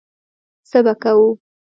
څه به کوو.